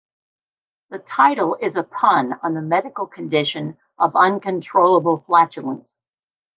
The title is a pun on the medical condition of uncontrollable flatulence.